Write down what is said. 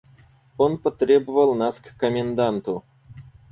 Он потребовал нас к коменданту.